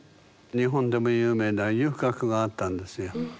日本でも有名な遊郭があったんですよ。